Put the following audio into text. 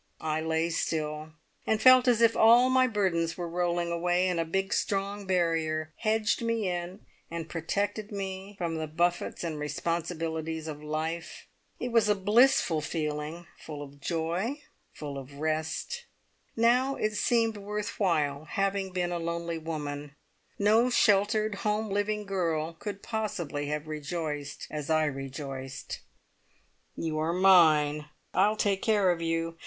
I lay still, and felt as if all my burdens were rolling away, and a big strong barrier hedged me in and protected me from the buffets and responsibilities of life. It was a blissful feeling full of joy, full of rest. Now it seemed worth while having been a lonely woman. No sheltered, home living girl could possibly have rejoiced as I rejoiced. "You are mine! I'll take care of you.